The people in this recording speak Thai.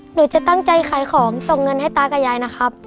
หนูจะตั้งใจขายของส่งเงินให้ตากับยายนะครับ